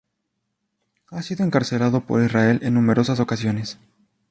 Ha sido encarcelado por Israel en numerosas ocasiones.